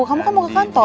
kamu kan mau ke kantor